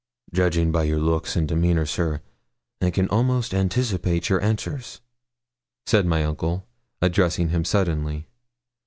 'Judging by your looks and demeanour, sir, I can almost anticipate your answers,' said my uncle, addressing him suddenly.